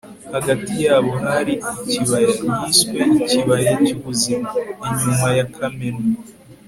hagati yabo hari ikibaya. yiswe ikibaya cy'ubuzima. inyuma ya kameno